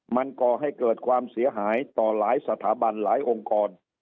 มันก่อให้เกิดความเสียหายต่อหลายสถาบันหลายองค์กร